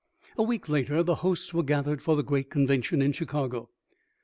" A week later the hosts were gathered for the great convention in Chicago.